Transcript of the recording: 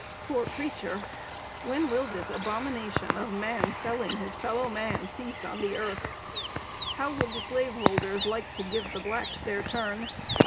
Poor creature! When will this abomination of man selling his fellow man cease on the earth? How would the slaveholders like to give the blacks their turn?